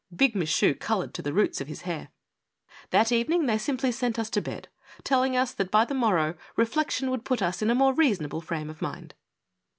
Big Michu colored to the roots of his hair* That evening they simply sent us to bed, telling us that, by the morrow, reflection would put us in a more reason able frame of mind.